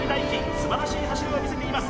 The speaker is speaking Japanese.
素晴らしい走りを見せています